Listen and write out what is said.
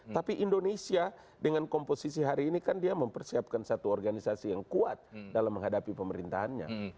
tapi indonesia dengan komposisi hari ini kan dia mempersiapkan satu organisasi yang kuat dalam menghadapi pemerintahannya